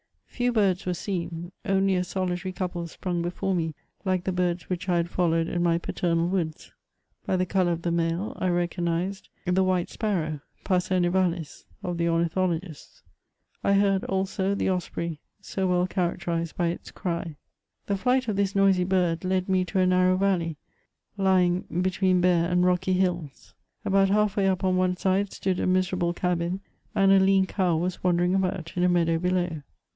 Few birds were seen : only a solitary couple sprung before me like the birds which I had followed in my pa ternal woods. By the colour of the male, I recognised the white sparrow, pa^^er nivalis, of the ornithologists. I heard, also, the 6spray, so well characterised by its cry. The flight of this noisy bird led me to a narrow valley, lying between bare and rocky hills. About half way up on one side stood a miserable cabin, and a lean cow was wandering about in a meadow below.